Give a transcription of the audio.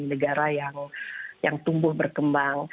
negara yang tumbuh berkembang